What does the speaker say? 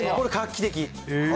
これ、画期的。